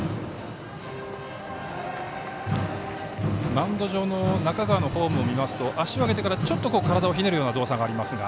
マウンド上の中川のフォームを見ますと足を上げてから、ちょっと体をひねる動作がありますが。